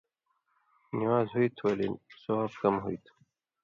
نِوان٘ز ہُوئ تھُو ولے ثواب کم ہُوئ تھُو۔